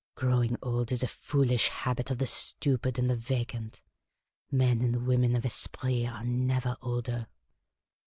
" Growing old is a foolish habit of the stupid and the vacant. Men and women of esprit are never older.